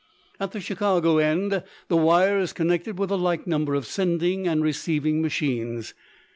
At the Chicago end the wire is connected with a like number of sending and receiving machines.